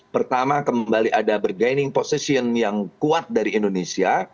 pertama kembali ada bergaining position yang kuat dari indonesia